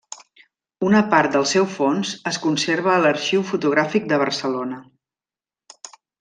Una part del seu fons es conserva a l'Arxiu Fotogràfic de Barcelona.